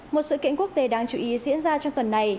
một sự kiện quốc tế đáng chú ý diễn ra trong tuần này